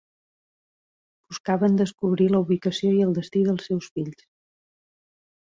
Buscaven descobrir la ubicació i el destí dels seus fills.